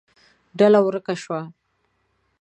ډله ورکه شوه.